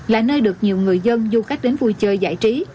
là nơi được nhiều người dân du khách đến vui chơi giải trí